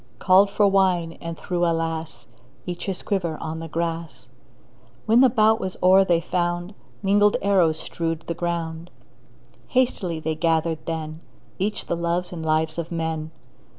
Called for wine, and threw — alas! — Each his quiver on the grass. When the bout was o'er they found Mingled arrows strewed the ground. Hastily they gathered then Each the loves and lives of men.